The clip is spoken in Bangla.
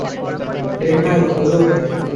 ডেনহাই, খোঁজো ওকে।